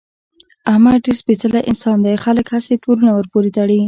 احمد ډېر سپېڅلی انسان دی، خلک هسې تورونه ورپورې تړي.